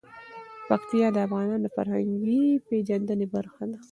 پکتیا د افغانانو د فرهنګي پیژندنې برخه ده.